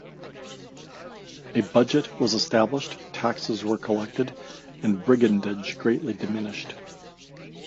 A budget was established, taxes were collected, and brigandage greatly diminished.